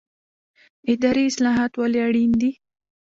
اداري اصلاحات ولې اړین دي؟